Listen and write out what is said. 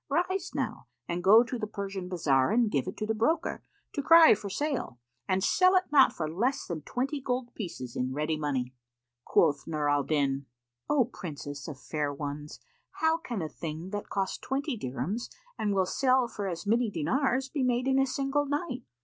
Rise now and go to the Persian bazar and give it to the broker, to cry for sale, and sell it not for less than twenty gold pieces in ready money." Quoth Nur al Din, "O Princess of fair ones how can a thing, that cost twenty dirhams and will sell for as many dinars, be made in a single night?"